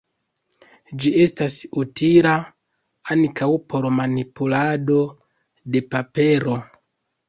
Ĝi estas utila ankaŭ por manipulado de papero.